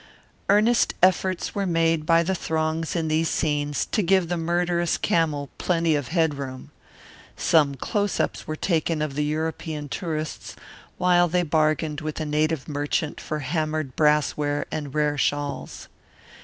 Earnest efforts were made by the throngs in these scenes to give the murderous camel plenty of head room. Some close ups were taken of the European tourists while they bargained with a native merchant for hammered brassware and rare shawls.